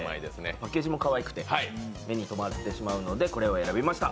パッケージもかわいくて目にとまってしまうのでこれを選びました。